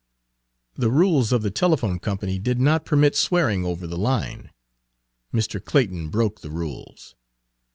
The rules of the telephone company did not permit swearing over the line. Mr. Clayton broke the rules.